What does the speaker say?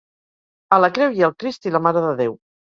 A la creu hi ha el Crist i la Mare de Déu.